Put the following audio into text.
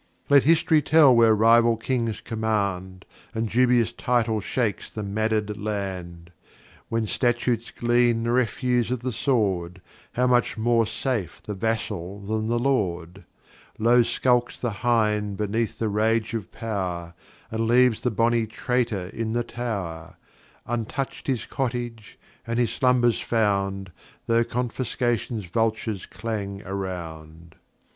] Let Hist'ry tell where rival Kings command, And dubious Title shakes the madded Land, When Statutes glean the Refuse of the Sword, How much more safe the Vassal than the Lord, Low sculks the Hind beneath the Rage of Pow'r, And leaves the bonny Traytor in the Tow'r, Untouch'd his Cottage, and his Slumbers found, Tho' Confiscation's Vulturs clang around.